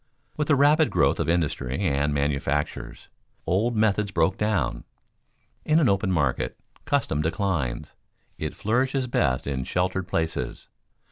With the rapid growth of industry and manufactures, old methods broke down. In an open market custom declines; it flourishes best in sheltered places.